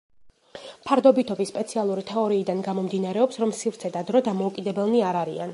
ფარდობითობის სპეციალური თეორიიდან გამომდინარეობს, რომ სივრცე და დრო დამოუკიდებელნი არ არიან.